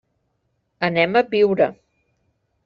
Anem a Biure.